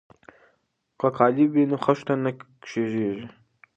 که قالب وي نو خښته نه کږیږي.